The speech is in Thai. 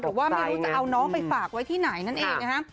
ว่าไม่รู้จะเอาน้องไปฝากไว้ที่ไหนนั่นเองนะฮะ